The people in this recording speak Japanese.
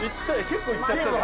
結構いっちゃったわ。